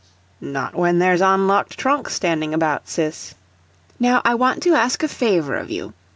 [Not when there's unlocked trunks standing about, sis.] "Now I want to ask a favor of you.